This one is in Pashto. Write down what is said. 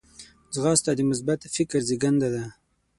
ځغاسته د مثبت فکر زیږنده ده